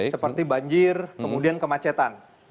seperti banjir kemudian kemacetan